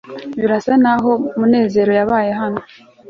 birasa nkaho munezero yabaye hano